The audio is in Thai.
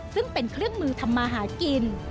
ซึ่งเป็นเครื่องมือทำมาหากิน